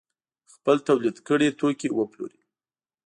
خپل تولید کړي توکي وپلوري.